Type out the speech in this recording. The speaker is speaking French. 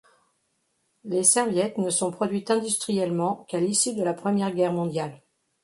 Les serviettes ne sont produites industriellement qu'à l'issue de la Première Guerre mondiale.